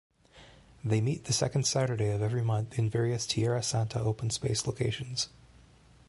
They meet the second Saturday of every month in various Tierrasanta open space locations.